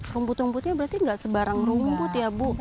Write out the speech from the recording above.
rumput rumputnya berarti nggak sebarang rumput ya bu